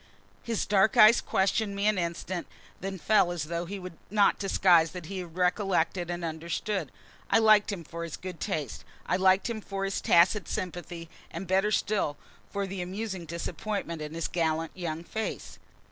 His dark eyes questioned me an instant, then fell as though he would not disguise that he recollected and understood. I liked him for his good taste. I liked him for his tacit sympathy, and better still for the amusing disappointment in his gallant, young face.